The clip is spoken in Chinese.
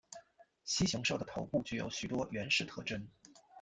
蜥熊兽的头部具有许多原始特征。